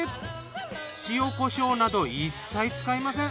塩コショウなど一切使いません。